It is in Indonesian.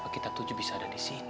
atau tidak mungkin